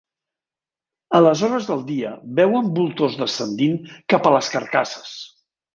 A les hores del dia, veuen voltors descendint cap a les carcasses.